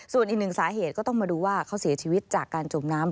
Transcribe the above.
ส่วนอีกหนึ่งสาเหตุก็ต้องมาดูว่าเขาเสียชีวิตจากการจมน้ำ